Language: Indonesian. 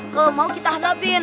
kalau mau kita hadapin